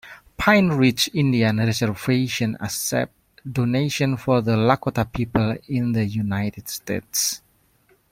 Pine Ridge Indian Reservation accepts donations for the Lakota people in the United States.